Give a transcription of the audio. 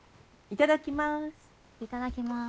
いただきます。